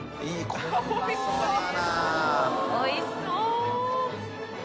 おいしそう！